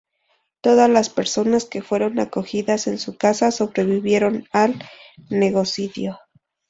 Todas las personas que fueron acogidas en su casa sobrevivieron al genocidio.